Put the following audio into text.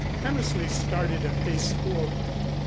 Hammersley started a pace forward.